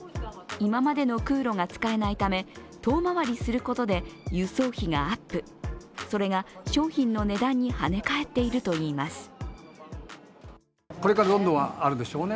今までの空路が使えないため、遠回りすることで輸送費がアップ、それが商品の値段にはね返っているといいます。